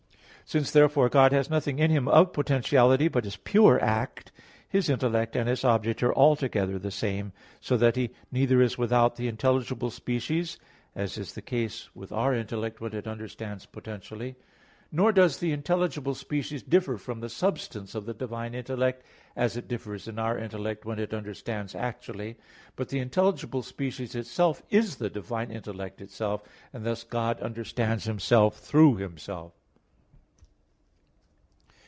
Since therefore God has nothing in Him of potentiality, but is pure act, His intellect and its object are altogether the same; so that He neither is without the intelligible species, as is the case with our intellect when it understands potentially; nor does the intelligible species differ from the substance of the divine intellect, as it differs in our intellect when it understands actually; but the intelligible species itself is the divine intellect itself, and thus God understands Himself through Himself.